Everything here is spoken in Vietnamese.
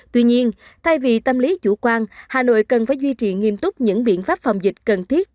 tuy nhiên thay vì tâm lý chủ quan hà nội cần phải duy trì nghiêm túc những biện pháp phòng dịch cần thiết